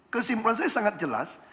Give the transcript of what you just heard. kesimpulan saya sangat jelas